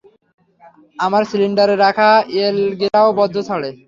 আমার সিলিন্ডারে রাখা এলগিরাও বর্জ্য ছাড়ে।